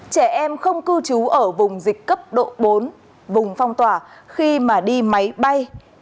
trẻ em không cư trú ở vùng dịch cấp độ bốn vùng phong tỏa khi mà đi máy bay